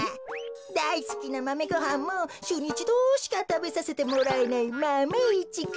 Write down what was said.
だいすきなマメごはんもしゅうにいちどしかたべさせてもらえないマメ１くん。